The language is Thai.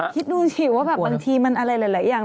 คิดดูสิว่าแบบบางทีมันอะไรหลายอย่าง